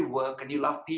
dan anda suka orang